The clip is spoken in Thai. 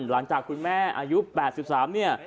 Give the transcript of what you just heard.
หลังจากคุณแม่อายุแปดสิบสามเนี่ย